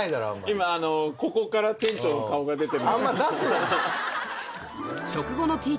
今あのここから店長の顔が出て。